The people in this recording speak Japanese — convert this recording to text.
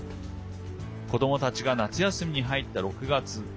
子どもたちが夏休みに入った６月。